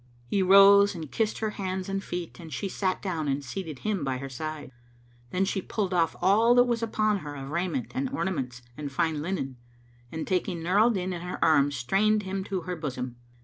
He rose and kissed her hands and feet and she sat down and seated him by her side. Then she pulled off all that was upon her of raiment and ornaments and fine linen and taking Nur al Din in her arms strained him to her bosom.